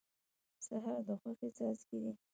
سهار د خوښۍ څاڅکي دي.